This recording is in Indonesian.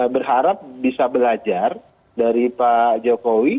berharap bisa belajar dari pak jokowi